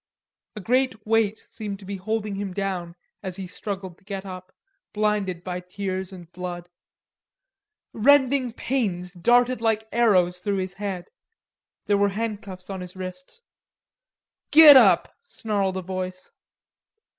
A great weight seemed to be holding him down as he struggled to get up, blinded by tears and blood. Rending pains darted like arrows through his head. There were handcuffs on his wrists. "Git up," snarled a voice.